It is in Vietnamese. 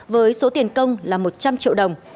với số tiền công là một trăm linh triệu đồng